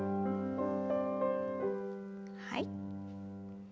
はい。